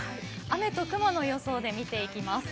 雨と雲の予想で見ていきます。